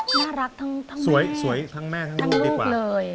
น่ารักทั้งแม่ทั้งลูกเลย